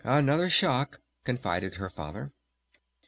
"Another shock!" confided her Father.